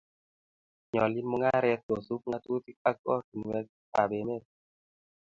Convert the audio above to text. Nyoljin mungaret kosub ng'atutik ak ortinuekab emet